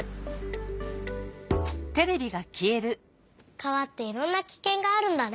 川っていろんなキケンがあるんだね。